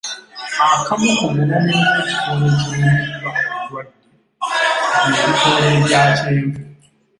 Akamu ku bubonero bw'ekimera ekirumbiddwa obulwadde bye bikoola ebya kyenvu.